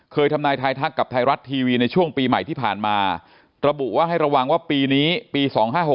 ทำนายทายทักกับไทยรัฐทีวีในช่วงปีใหม่ที่ผ่านมาระบุว่าให้ระวังว่าปีนี้ปี๒๕๖๖